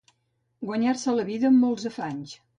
Guanyar-se la vida amb molts d'afanys.